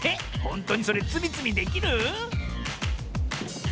ほんとにそれつみつみできる？